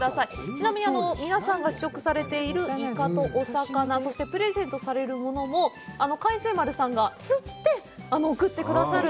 ちなみに、皆さんが試食されているイカとお魚、そしてプレゼントされるものも、海鮮丸さんが釣って、送ってくださる。